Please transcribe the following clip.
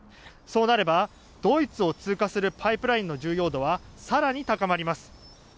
そうなればドイツを通過するパイプラインの重要度は更に高まります。